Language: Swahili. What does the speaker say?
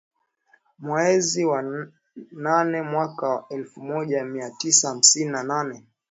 Mwaezi wa nane mwaka wa elfu moja mia tisa hamsini na nane